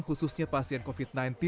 khususnya pasien covid sembilan belas